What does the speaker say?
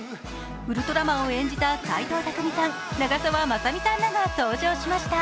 ウルトラマンを演じた斎藤工さん、長澤まさみさんらが登場しました。